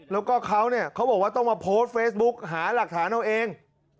แล้วก็เขาเนี่ยเขาบอกว่าต้องมาโพสต์เฟซบุ๊กหาหลักฐานเอาเอง